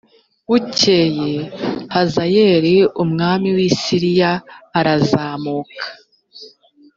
bukeye hazayeli umwami w i siriya arazamuka